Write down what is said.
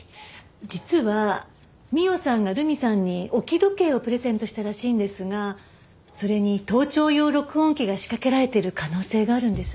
実は美緒さんが留美さんに置き時計をプレゼントしたらしいんですがそれに盗聴用録音機が仕掛けられている可能性があるんです。